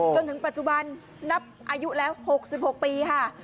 จนถึงปัจจุบันนับอายุแล้ว๖๖ปีค่ะ